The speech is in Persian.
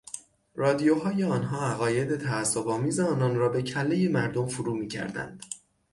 رادیوهای آنها عقاید تعصبآمیز آنان را به کلهی مردم فرو میکردند.